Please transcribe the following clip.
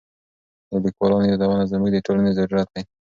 د لیکوالو یادونه زموږ د ټولنې ضرورت دی.